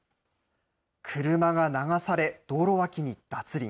車が流され、道路脇に脱輪。